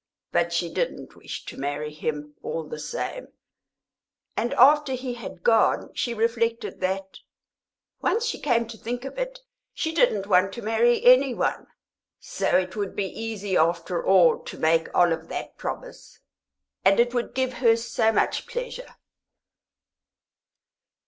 But she didn't wish to marry him, all the same, and after he had gone she reflected that, once she came to think of it, she didn't want to marry any one. So it would be easy, after all, to make Olive that promise, and it would give her so much pleasure!